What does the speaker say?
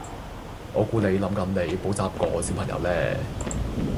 我估你諗緊你補習個小朋友呢